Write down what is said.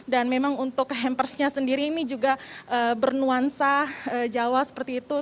dan memang untuk hampersnya sendiri ini juga bernuansa jawa seperti itu